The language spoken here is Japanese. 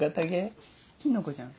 キノコじゃん。